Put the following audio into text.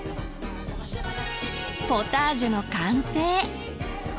ポタージュの完成！